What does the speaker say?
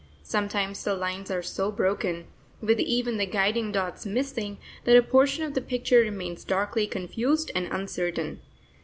Sometimes the lines are so broken, with even the guiding dots missing, that a portion of the picture remains darkly confused and uncertain.